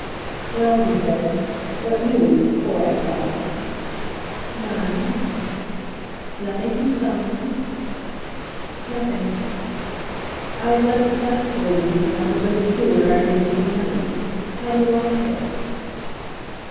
"Well," he said, "what news, poor exile?" "None." "Nothing from Soames?" "Nothing." "I have let the flat for you, and like a good steward I bring you some money. How do you like Paris?"